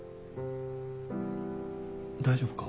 大丈夫か？